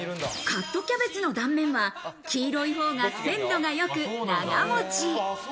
カットキャベツの断面は、黄色い方が鮮度が良く長持ち。